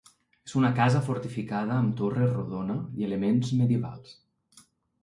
És una casa fortificada amb torre rodona i elements medievals.